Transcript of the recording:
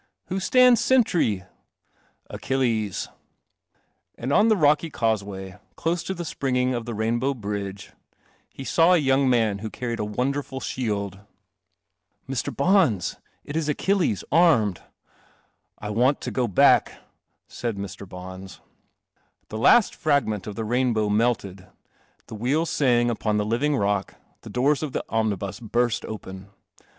" Who stands sentry ?"" Achilles." And on the rocky causeway, close to the springing of the rainbow bridge, he saw a young man who carried a wonderful shield. 80 Til! CELESTIAL < >M NIBUS Mr. I' It i \i hille , arm* • 1 w ant to go I lid M r. B The last fragment of the rainbow melted, the wheels the living rock, the door :: mnibus burst open.